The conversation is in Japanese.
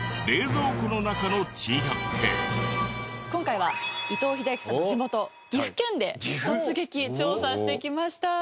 今回は伊藤英明さんの地元岐阜県で突撃調査してきました。